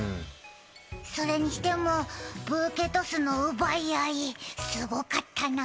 それにしても、ブーケトスの奪い合い、すごかったな。